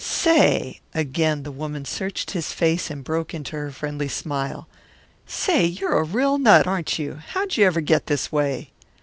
"Say!" Again the woman searched his face and broke into her friendly smile. "Say, you're a real nut, aren't you? How'd you ever get this way?"